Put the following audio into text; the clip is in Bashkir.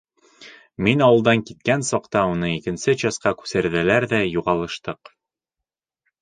Мин ауылдан киткән саҡта уны икенсе часҡа күсерҙеләр ҙә, юғалыштыҡ.